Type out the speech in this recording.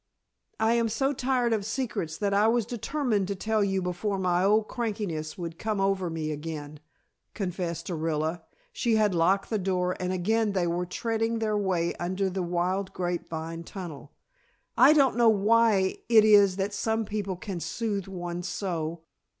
I am so tired of secrets that I was determined to tell you before my old crankiness would come over me again," confessed Orilla. She had locked the door and again they were treading their way under the wild grape vine tunnel. "I don't know why it is that some people can soothe one so.